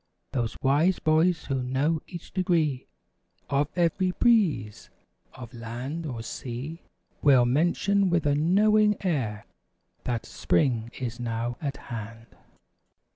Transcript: Those wise boys who know each degree Of every breeze of land or sea, Will mention with a knowing air. That, "Spring is now at hand."